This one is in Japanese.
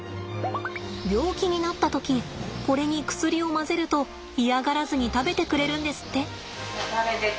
病気になった時これに薬を混ぜると嫌がらずに食べてくれるんですって。